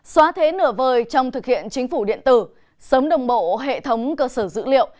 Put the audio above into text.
xóa thế nửa vời trong thực hiện chính phủ điện tử sớm đồng bộ hệ thống cơ sở dữ liệu